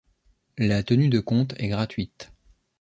La tenue de compte est gratuite.